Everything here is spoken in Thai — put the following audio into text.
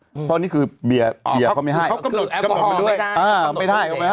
เพราะอันนี้คือเบียเค้าไม่ให้